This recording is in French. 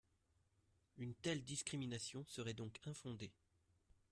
Une telle discrimination serait donc infondée.